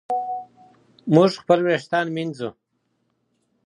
موږ خپل ورېښتان مینځو.